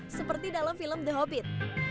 seperti dalam film the hobbit